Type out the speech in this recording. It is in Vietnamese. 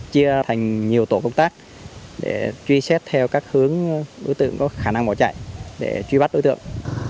chia thành nhiều tổ công tác để truy xét theo các hướng đối tượng có khả năng bỏ chạy để truy bắt đối tượng